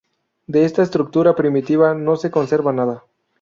De esta estructura primitiva no se conserva nada.